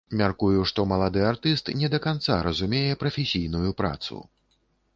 Мяркую, што малады артыст не да канца разумее прафесійную працу.